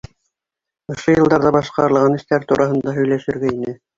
Ошо йылдарҙа башҡарылған эштәр тураһында һөйләшергә ине.